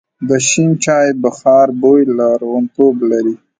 د شین چای بخار بوی لرغونتوب لري.